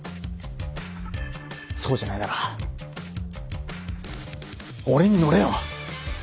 そうじゃないなら俺に乗れよ。